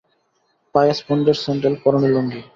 পায়ে স্পঞ্জের স্যাণ্ডেল, পরনে লুঙ্গি।